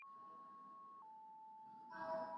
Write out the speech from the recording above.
افغان سوداګر په نړیوالو غونډو کي رسمي استازیتوب نه لري.